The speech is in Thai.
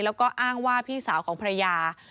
แล้วก็อ้างว่าพี่สาวของภรรยา